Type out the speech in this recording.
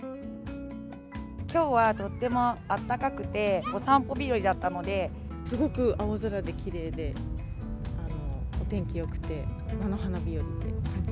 きょうはとってもあったかくすごく青空できれいで、お天気よくて、菜の花日和っていう感じ。